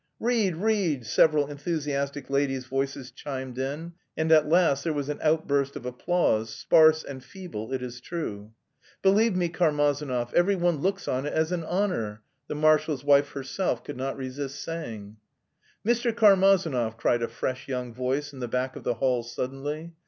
"Read, read!" several enthusiastic ladies' voices chimed in, and at last there was an outburst of applause, sparse and feeble, it is true. "Believe me, Karmazinov, every one looks on it as an honour..." the marshal's wife herself could not resist saying. "Mr. Karmazinov!" cried a fresh young voice in the back of the hall suddenly.